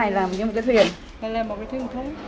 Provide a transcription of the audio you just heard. mình làm một cái thương thế